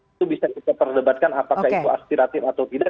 itu bisa kita perdebatkan apakah itu aspiratif atau tidak